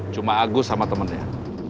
cuma agus sama temennya